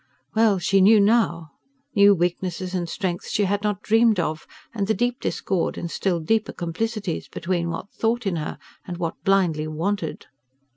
Well, she knew now knew weaknesses and strengths she had not dreamed of, and the deep discord and still deeper complicities between what thought in her and what blindly wanted...